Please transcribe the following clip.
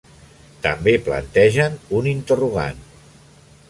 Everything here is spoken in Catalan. També plantegen un interrogant.